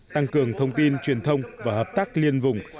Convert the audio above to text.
tăng cường thông tin truyền thông và hợp tác liên vùng